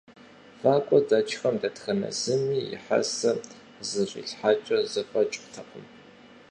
ВакӀуэ дэкӀхэм дэтхэнэ зыми и хьэсэр зэщӀилъхьакӀэ зэфӀэкӀыртэкъым.